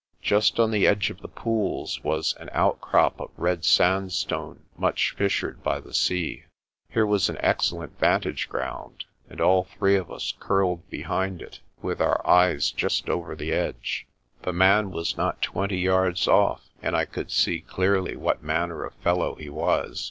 Just on the edge of the pools was an outcrop of red sand stone much fissured by the sea. Here was an excellent vantage ground, and all three of us curled behind it, with our eyes just over the edge. The man was not twenty yards off, and I could see clearly what manner of fellow he was.